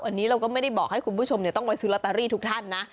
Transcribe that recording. อันนี้เราก็ไม่ได้บอกให้คุณผู้ชมต้องไปซื้อลอตเตอรี่ทุกท่านนะ